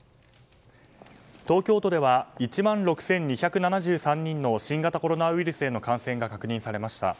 東京都では１万６２７３人の新型コロナウイルスへの感染が確認されました。